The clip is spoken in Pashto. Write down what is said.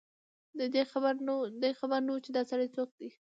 دی خبر نه و چي دا سړی څوک دی